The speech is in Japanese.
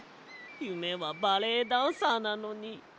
ゆめはバレエダンサーなのに。